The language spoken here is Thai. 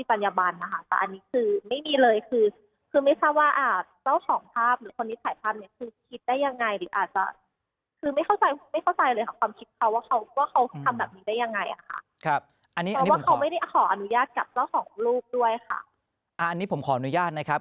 อันนี้ผมขออนุญาตนะครับ